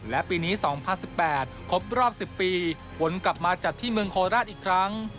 และปีนี้๒๐๑๘ครบรอบ๑๐ปีวนกลับมาจัดที่เมืองโคราชอีกครั้ง